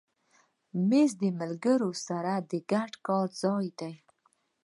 مېز د ملګرو سره د ګډ کار ځای دی.